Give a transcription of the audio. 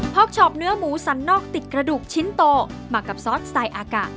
พอกชอบเนื้อหมูสันนอกติดกระดูกชิ้นโตมากับซอสไตล์อากะ